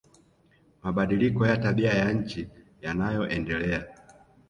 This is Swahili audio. Mabadiliko ya tabia ya nchi yanayoendelea